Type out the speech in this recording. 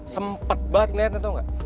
sempet banget ngeliatnya tau gak